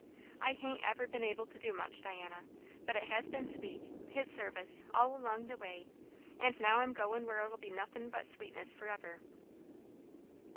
I hain't ever been able to do much, Diana; but it has been sweet his service all along the way; and now I'm goin' where it'll be nothin' but sweetness for ever."